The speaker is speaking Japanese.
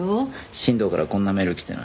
新藤からこんなメール来てな。